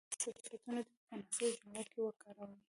صفتونه دې په مناسبو جملو کې وکاروي.